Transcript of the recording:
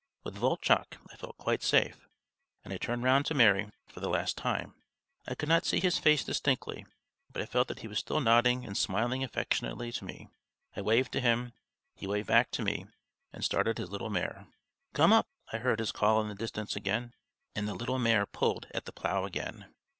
With Voltchok I felt quite safe, and I turned round to Marey for the last time; I could not see his face distinctly, but I felt that he was still nodding and smiling affectionately to me. I waved to him; he waved back to me and started his little mare. "Come up!" I heard his call in the distance again, and the little mare pulled at the plough again.